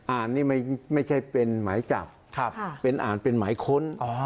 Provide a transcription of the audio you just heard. อ่านนี้ไม่ใช่เป็นหมายจับอ่านเป็นหมายค้น